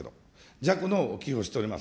弱の寄付をしております。